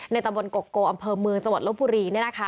ตะบนกกโกอำเภอเมืองจังหวัดลบบุรี